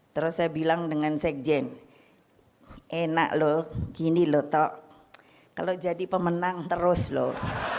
terus saya bilang dengan sekjen enak loh gini loh tok kalau jadi pemenang terus loh